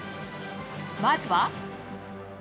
まずは。